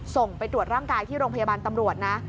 ส่งไปตรวจร่างกายที่โรงพยาบาลตำรวจนะ